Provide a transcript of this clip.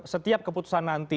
setiap keputusan nanti